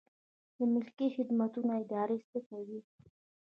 د ملکي خدمتونو اداره څه کوي؟